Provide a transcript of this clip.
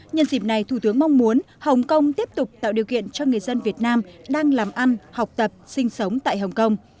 nhân dịp này thủ tướng mong muốn hồng kông tiếp tục tạo điều kiện cho người dân việt nam đang làm ăn học tập sinh sống tại hồng kông